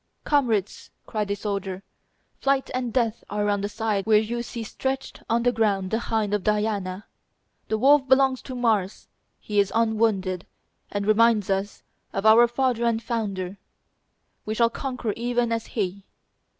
"Comrades," cried a soldier, "flight and death are on the side where you see stretched on the ground the hind of Diana; the wolf belongs to Mars; he is unwounded, and reminds us of our father and founder; we shall conquer even as he."